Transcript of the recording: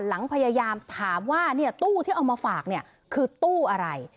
หลังพยายามถามว่าเนี่ยตู้ที่เอามาฝากเนี่ยคือตู้อะไร